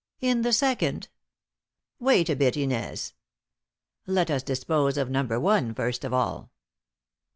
In the second " "Wait a bit, Inez. Let us dispose of Number One first of all.